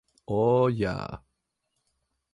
O, jā.